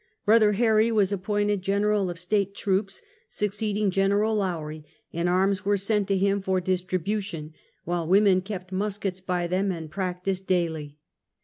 Brother Har ry was appointed General of State troops, succeeding Gen. Lowrie, and arms were sent to him for distribu tion, while women kept muskets by them and prac ticed daily.